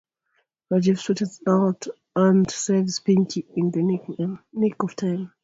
Rajiv stresses out and saves Pinky in the nick of time.